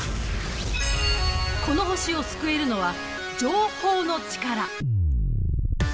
この星を救えるのは情報のチカラ。